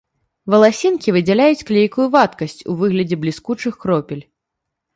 Валасінкі выдзяляюць клейкую вадкасць у выглядзе бліскучых кропель.